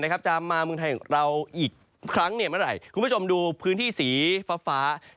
คุณผู้ชมดูพื้นที่สีฟ้า